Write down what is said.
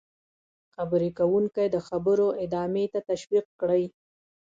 -خبرې کوونکی د خبرو ادامې ته تشویق کړئ: